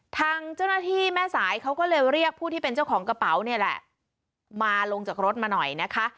ทางเจ้าหน้าที่แม่สายเขาก็เลยเรียกผู้ที่เป็นเจ้าของกระเป๋าเนี่ยแหละมาลงจากรถมาหน่อยนะคะ